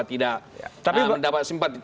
tidak mendapat simpati